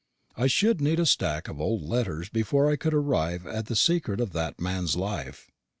I should need a stack of old letters before I could arrive at the secret of that man's life.